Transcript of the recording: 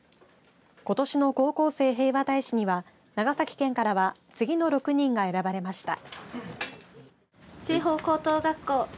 ことしの高校生平和大使には長崎県からは次の６人が選ばれました。